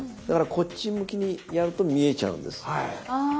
だからこっち向きにやると見えちゃうんです。